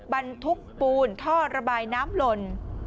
บรรทุกปูนท่อระบายน้ำหล่น